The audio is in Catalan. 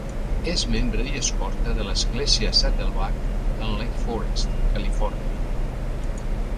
És membre i escorta de l'Església Saddleback en Lake Forest, Califòrnia.